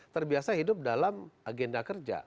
terbiasa hidup dalam agenda kerja